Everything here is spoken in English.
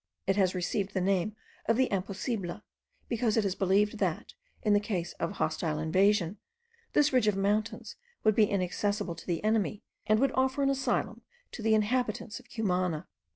It has received the name of the Imposible, because it is believed that, in the case of hostile invasion, this ridge of mountains would be inaccessible to the enemy, and would offer an asylum to the inhabitants of Cumana.